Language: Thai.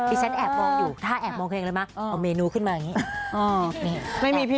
อีแซนแอบมองอยู่ถ้าแอบมองเคยได้ไหมเอาเมนูขึ้นมาอย่างนี้